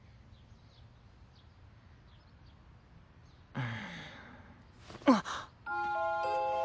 うんあっ！